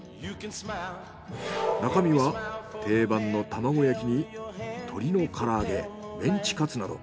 中身は定番の玉子焼きに鶏の唐揚げメンチカツなど。